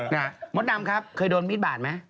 มดดำครับเคยโดนมีดบาดไหม